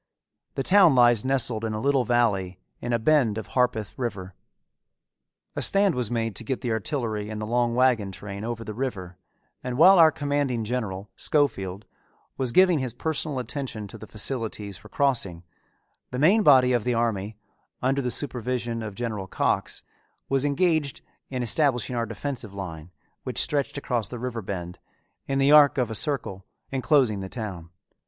The town lies nestled in a little valley in a bend of Harpeth River. A stand was made to get the artillery and the long wagon train over the river and while our commanding general, Schofield, was giving his personal attention to the facilities for crossing, the main body of the army, under the supervision of General Cox, was engaged in establishing our defensive line, which stretched across the river bend, in the arc of a circle, inclosing the town.